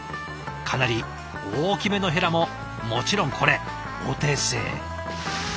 かなり大きめのヘラももちろんこれお手製。